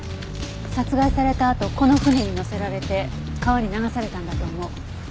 殺害されたあとこの舟に乗せられて川に流されたんだと思う。